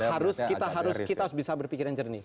harus kita harus bisa berpikiran jernih